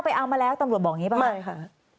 ไปเอามาแล้วตำรวจบอกอย่างนี้ป่ะไม่ค่ะ